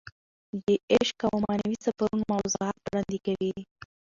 د عشق او معنوي سفرونو موضوعات وړاندې کوي.